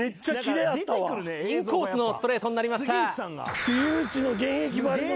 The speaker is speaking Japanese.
インコースのストレートになりました。